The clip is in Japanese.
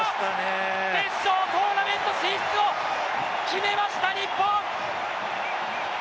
決勝トーナメント進出を決めました、日本！